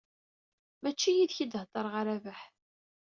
Mačči yid-k i d-heddreɣ a Rabaḥ.